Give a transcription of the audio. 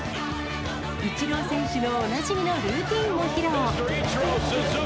イチロー選手のおなじみのルーティンも披露。